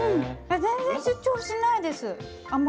全然主張しないです甘夏。